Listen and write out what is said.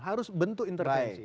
harus bentuk intervensi